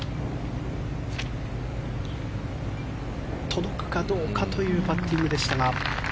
届くかどうかというパッティングでしたが。